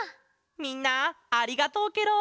みんなありがとうケロ！